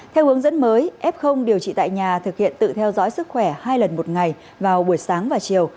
theo hướng dẫn mới f điều trị tại nhà thực hiện tự theo dõi sức khỏe hai lần một ngày vào buổi sáng và chiều